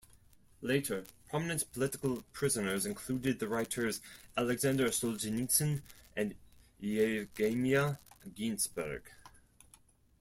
Later, prominent political prisoners included the writers Aleksandr Solzhenitsyn and Yevgenia Ginzburg.